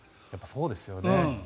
やっぱりそうですよね。